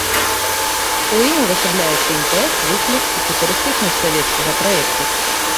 У ім увасабляецца імпэт, выклік і футурыстычнасць савецкага праекту.